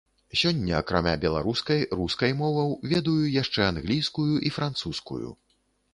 Сёння акрамя беларускай, рускай моваў, ведаю яшчэ англійскую і французскую.